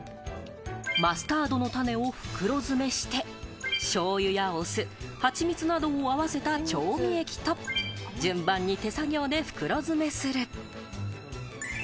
マスタードの種を袋詰めして、しょうゆやお酢、ハチミツなどを合わせた調味液と、順番に手作業で袋詰めする。